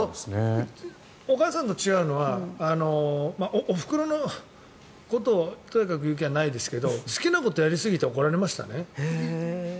お母さんと違うのはおふくろのことをとやかく言う気はないですけど好きなことをやりすぎたら怒られましたね。